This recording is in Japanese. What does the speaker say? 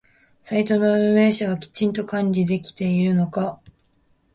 サイトの運営者はきちんと管理できているのか？